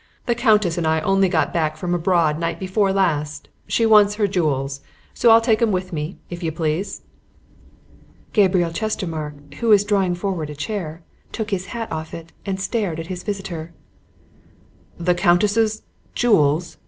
The Countess and I only got back from abroad night before last. She wants her jewels, so I'll take 'em with me, if you please." Gabriel Chestermarke, who was drawing forward a chair, took his hand off it and stared at his visitor. "The Countess's jewels!"